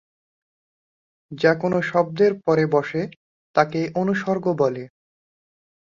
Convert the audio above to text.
যা কোন শব্দের পরে বসে তাকে অনুসর্গ বলে।